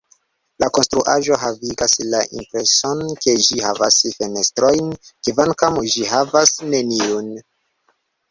La konstruaĵo havigas la impreson ke ĝi havas fenestrojn, kvankam ĝi havas neniun.